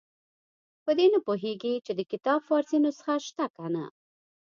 په دې نه پوهېږي چې د کتاب فارسي نسخه شته که نه.